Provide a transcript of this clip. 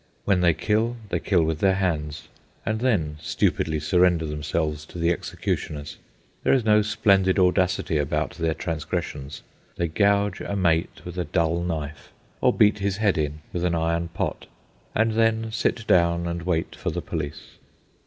When they kill, they kill with their hands, and then stupidly surrender themselves to the executioners. There is no splendid audacity about their transgressions. They gouge a mate with a dull knife, or beat his head in with an iron pot, and then sit down and wait for the police.